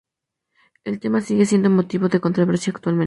El tema sigue siendo motivo de controversia actualmente.